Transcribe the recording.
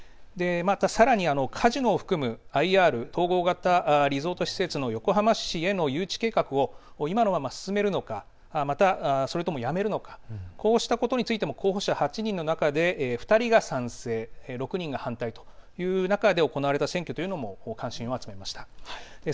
また、さらにカジノを含むＩＲ施設の横浜市への誘致計画を今のまま進めるのかそれともやめるのかこうした事についても候補者８人の中で２人が賛成６人が反対という中で行われた選挙というのも関心を集めました。